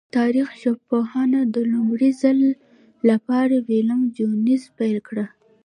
تاریخي ژبپوهنه د لومړی ځل له پاره ویلم جونز پیل کړه.